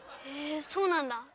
へえそうなんだ。